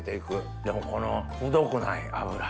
でもこのくどくない脂。